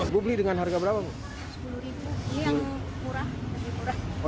buat beli dengan harga berapa